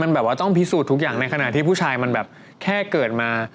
มันแบบว่าต้องพิสูจน์ทุกอย่างในขณะที่ผู้ชายมันแบบแค่เกิดมา